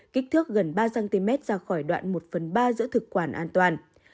kích thước gần ba cm ra khỏi đoạn một phần ba giữa thực quản an toàn